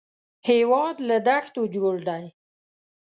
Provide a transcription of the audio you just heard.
هېواد له دښتو جوړ دی